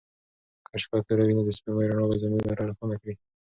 که شپه توره وي نو د سپوږمۍ رڼا به زموږ لاره روښانه کړي.